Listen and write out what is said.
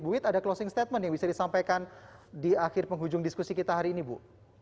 bu wit ada closing statement yang bisa disampaikan di akhir penghujung diskusi kita hari ini bu